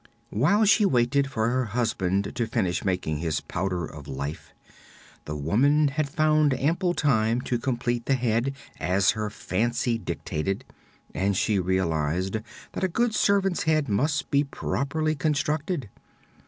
While she waited for her husband to finish making his Powder of Life the woman had found ample time to complete the head as her fancy dictated, and she realized that a good servant's head must be properly constructed.